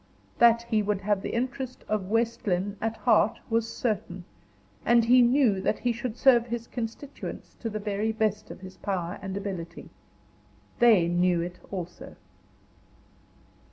That he would have the interest of West Lynne, at heart was certain, and he knew that he should serve his constituents to the very best of his power and ability. They knew it also.